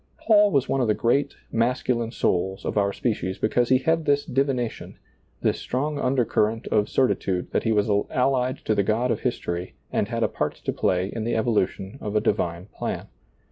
Paul was one of the great, masculine souls of our species because he had this divination, this strong undercurrent of certitude that he was allied to the God of history and had a part to play in the evolution of a divine plan.